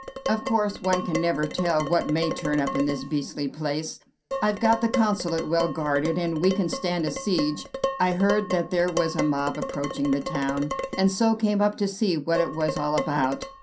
Of course, one can never tell what may turn up in this beastly place. I've got the Consulate well guarded, and we can stand a siege. I heard that there was a mob approaching the town, and so came up to see what it was all about.